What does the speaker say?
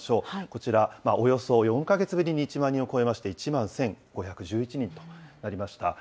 こちら、およそ４か月ぶりに１万人を超えまして、１万１５１１人となりました。